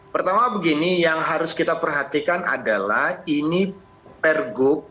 pertama begini yang harus kita perhatikan adalah ini pergub